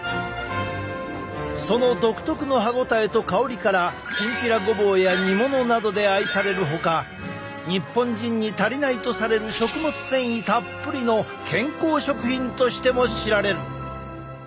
その独特の歯ごたえと香りからきんぴらごぼうや煮物などで愛されるほか日本人に足りないとされる食物繊維たっぷりの健康食品としても知られる。